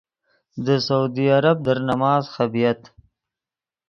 دے سعودی عرب در نماز خبییت۔